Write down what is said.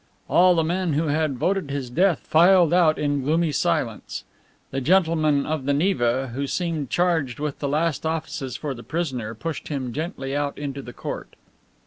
All the men who had voted his death filed out in gloomy silence. The gentleman of the Neva, who seemed charged with the last offices for the prisoner, pushed him gently out into the court.